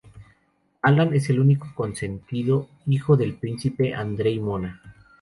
Alan es el único y consentido hijo del príncipe Andre y Mona.